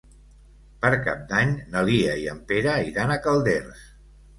Per Cap d'Any na Lia i en Pere iran a Calders.